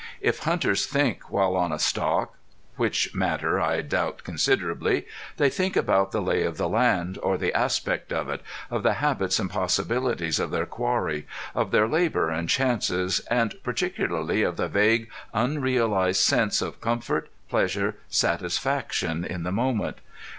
If hunters think while on a stalk which matter I doubt considerably they think about the lay of the land, or the aspect of it, of the habits and possibilities of their quarry, of their labor and chances, and particularly of the vague unrealized sense of comfort, pleasure, satisfaction in the moment.